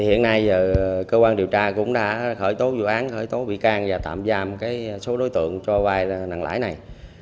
hiện nay cơ quan điều tra cũng đã khởi tố vụ án khởi tố bị can và tạm giam số đối tượng cho vai nặng lãi này